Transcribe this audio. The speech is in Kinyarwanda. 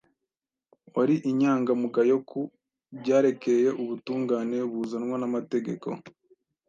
wari inyangamugayo ku byarekeye ubutungane buzanwa n’amategeko”